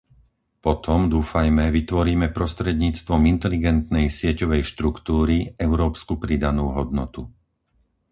Potom, dúfajme, vytvoríme prostredníctvom inteligentnej sieťovej štruktúry európsku pridanú hodnotu.